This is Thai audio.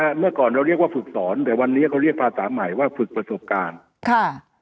เมื่อก่อนเราเรียกว่าฝึกสอนแต่วันนี้เขาเรียกภาษาใหม่ว่าฝึกประสบการณ์ค่ะ